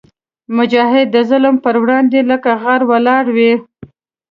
مجاهد د ظلم پر وړاندې لکه غر ولاړ وي.